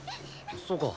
そうか。